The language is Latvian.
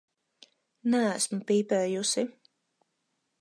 Neesmu pīpējusi.